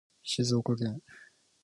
静岡県